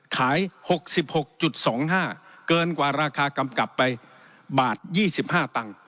ขายหกสิบหกจุดสองห้าเกินกว่าราคากำกับไปบาทยี่สิบห้าตังค์